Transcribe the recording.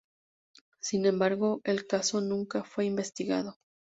Sin embargo, el caso nunca fue investigado.